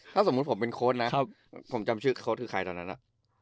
ถ้าสมมุติผมเป็นโค้ดนะผมจำชื่อโค้ดคือใครตอนนั้น